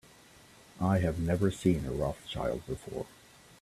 I have never seen a Rothschild before.